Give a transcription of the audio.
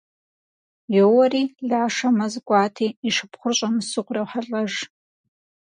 Йоуэри, Лашэ мэз кӏуати, и шыпхъур щӏэмысу кърохьэлӏэж.